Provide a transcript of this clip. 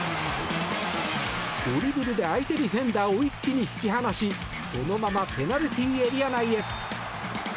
ドリブルで相手ディフェンダーを一気に引き離しそのままペナルティーエリア内へ。